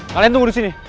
kalian tunggu disini